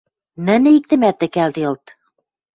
нӹнӹ иктӹмӓт тӹкӓлделыт.